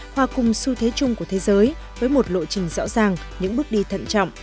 hòa cùng xu thế chung của thế giới với một lộ trình rõ ràng những bước đi thận trọng